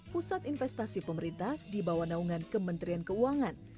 pusat investasi pemerintah di bawah naungan kementerian keuangan